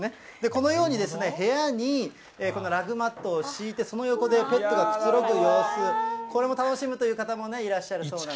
このように、部屋にこのラグマットを敷いて、その横でペットがくつろぐ様子、これを楽しむという方もいらっしゃるそうなんですね。